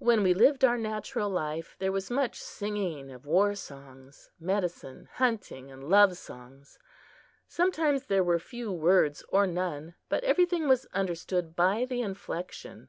When we lived our natural life, there was much singing of war songs, medicine, hunting and love songs. Sometimes there were few words or none, but everything was understood by the inflection.